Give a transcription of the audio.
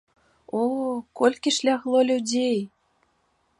О, колькі ж лягло людзей!